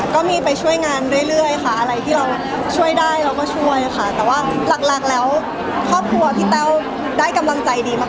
ก็มีไปช่วยงานเรื่อยค่ะอะไรที่เราช่วยได้เราก็ช่วยค่ะแต่ว่าหลักแล้วครอบครัวพี่แต้วได้กำลังใจดีมาก